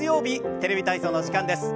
「テレビ体操」の時間です。